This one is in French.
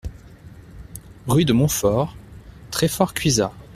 Rue de Montfort, Treffort-Cuisiat